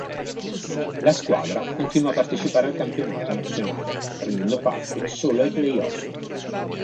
La squadra continuò a partecipare al campionato nazionale, prendendo parte solo ai playoff.